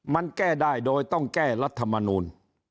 มันแก้ได้โดยต้องแก้รัฐมนูล